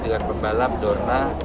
dengan pembalap dorna